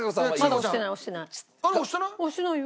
押してないよ。